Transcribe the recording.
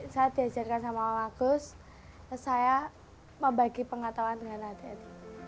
saya diajarkan sama om agus saya membagi pengetahuan dengan at at